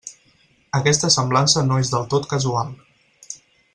Aquesta semblança no és del tot casual.